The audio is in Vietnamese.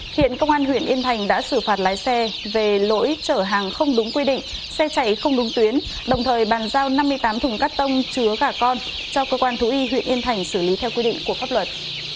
hiện công an huyện yên thành đã xử phạt lái xe về lỗi chở hàng không đúng quy định xe chạy không đúng tuyến đồng thời bàn giao năm mươi tám thùng cắt tông chứa gà con cho cơ quan thú y huyện yên thành xử lý theo quy định của pháp luật